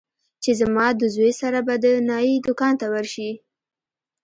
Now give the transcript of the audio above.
چې زما د زوى سره به د نايي دوکان ته ورشې.